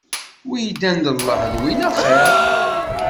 Wi iddan d lleh, d win axiṛ.